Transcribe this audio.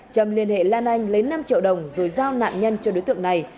trâm liên hệ lan anh lấy năm triệu đồng rồi giao nạn nhân cho đối tượng này